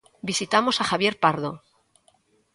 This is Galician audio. Visitamos a Javier Pardo.